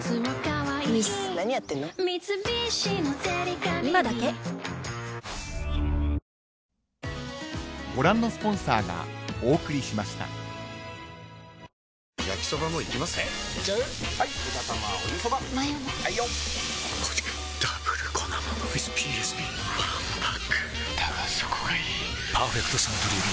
わんぱくだがそこがいい「パーフェクトサントリービール糖質ゼロ」